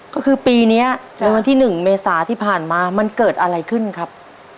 ก็คือปีนี้ในวันที่๑เมษาที่ผ่านมามันเกิดอะไรขึ้นครับ